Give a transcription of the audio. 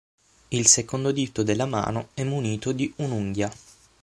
Il secondo dito della mano è munito di un'unghia.